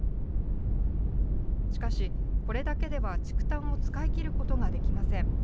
しかし、これだけでは竹炭を使い切ることができません。